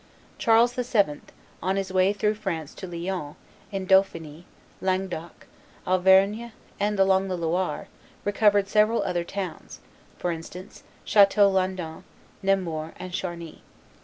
Charles VII., on his way through France to Lyon, in Dauphiny, Languedoc, Auvergne, and along the Loire, recovered several other towns, for instance, Chateau Landon, Nemours, and Charny.